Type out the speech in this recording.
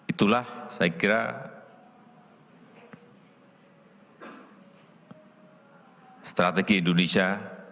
itulah saya kira strategi indonesia